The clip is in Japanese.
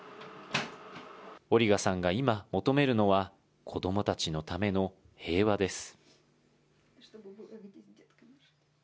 オリガさんが今求めるのは、子どもたちのための平和です。